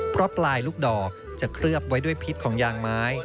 เพราะปลายลูกดอกจะเคลือบไว้ด้วยพิษของยางไม้